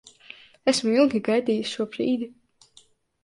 Esmu ilgi gaidījis šo brīdi.